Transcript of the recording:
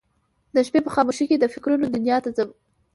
د شپې په خاموشۍ کې د فکرونه دنیا ته ځم